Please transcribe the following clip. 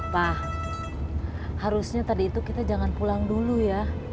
pak harusnya tadi itu kita jangan pulang dulu ya